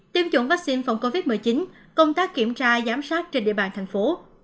tiêm chủng vaccine phòng covid một mươi chín công tác kiểm tra giám sát trên địa bàn thành phố